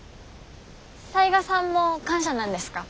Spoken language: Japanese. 雑賀さんも官舎なんですか？